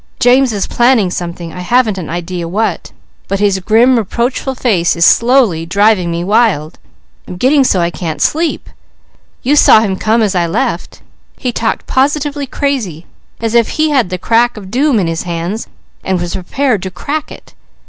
James is planning something, I haven't an idea what; but his grim, reproachful face is slowly driving me wild. I'm getting so I can't sleep. You saw him come home as I left. He talked positively crazy, as if he had the crack of doom in his hands and were prepared to crack it.